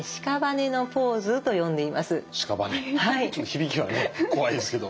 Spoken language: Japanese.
響きはね怖いですけど。